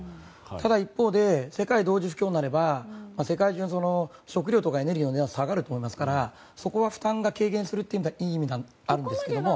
ただ一方で世界同時不況になれば世界中に食料とかエネルギーの値段が下がると思いますからそこは負担が軽減するといういい意味はあるんですけども。